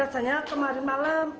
rasanya kemarin malam